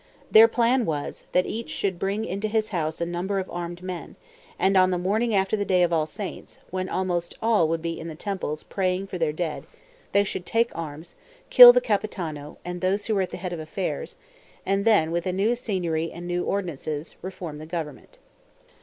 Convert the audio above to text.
Their plan was, that each should bring into his house a number of armed men, and on the morning after the day of All Saints, when almost all would be in the temples praying for their dead, they should take arms, kill the Capitano and those who were at the head of affairs, and then, with a new Signory and new ordinances, reform the government.